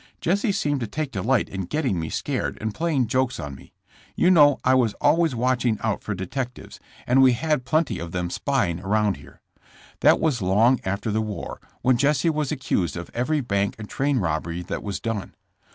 "Jesse seemed to take delight in getting me scared and playing jokes on me. You know I was always watching out for detectives, and we had OUTI^AWED AND HUNTED. 89 plenty of them spying around here. That was long after the war, when Jesse was accused of every bank and train robbery that was done.